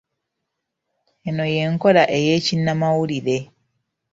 Eno y'enkola ey'ekinnamawulire.